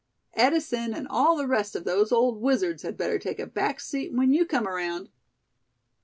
Edison and all the rest of those old wizards had better take a back seat when you come around."